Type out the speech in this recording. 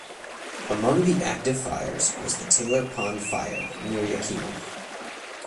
Among the active fires was the Taylor Pond Fire near Yakima.